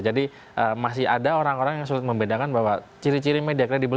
jadi masih ada orang orang yang sulit membedakan bahwa ciri ciri media kredibel